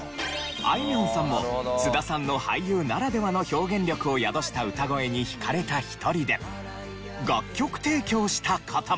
あいみょんさんも菅田さんの俳優ならではの表現力を宿した歌声に引かれた一人で楽曲提供した事も。